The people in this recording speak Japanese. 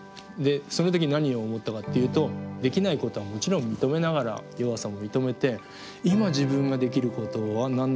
その時に何を思ったかっていうとできないことはもちろん認めながら弱さも認めて今自分ができることは何なのか。